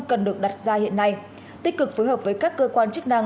cần được đặt ra hiện nay tích cực phối hợp với các cơ quan chức năng